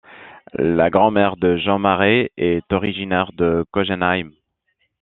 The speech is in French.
La grand-mère de Jean Marais est originaire de Kogenheim.